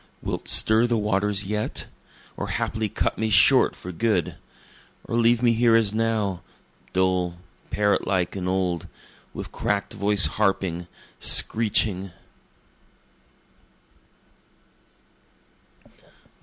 Wilt stir the waters yet? Or haply cut me short for good? Or leave me here as now, Dull, parrot like and old, with crack'd voice harping, screeching?